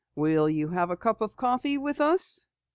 "Will you have a cup of coffee with us?"